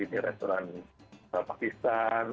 ini restoran pakistan